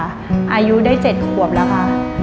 อายุได้๗ขวบแล้วค่ะ